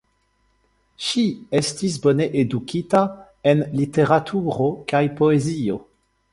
Ŝi estis bone edukita en literaturo kaj poezio.